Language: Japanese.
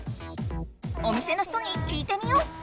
お店の人に聞いてみよう！